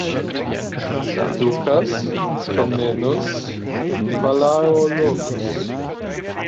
Dukas Komnenos Palaiologos.